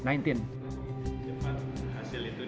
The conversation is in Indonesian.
jika kita bisa cepat hasil itu didapatkan